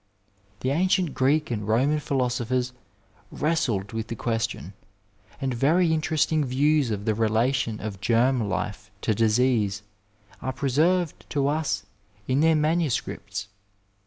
The ancient Oreek and Roman philosophers wrestled with the question, and very interesting views of the rela tion of germ life to disease are preserved to us in their manuscripts.